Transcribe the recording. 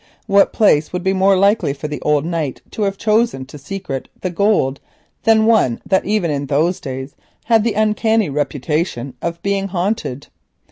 What place would be more likely for the old knight to have chosen to secrete the gold than one that even in those days had the uncanny reputation of being haunted?